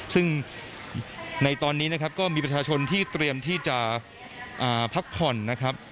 ซึ่งในตอนนี้นะครับก็มีประชาชนที่เตรียมที่จะพักผ่อนนะครับ